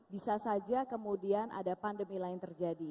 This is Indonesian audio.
bisa saja kemudian ada pandemi lain terjadi